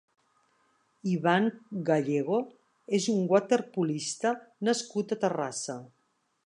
Iván Gallego és un waterpolista nascut a Terrassa.